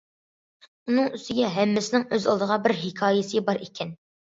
ئۇنىڭ ئۈستىگە ھەممىسىنىڭ ئۆز ئالدىغا بىر ھېكايىسى بار ئىكەن.